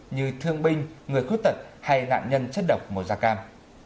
như thương binh người khuất tật hay nạn nhân chất độc một gia cam